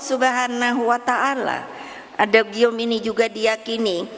allah subhanahu wa ta ala adagium ini juga diakini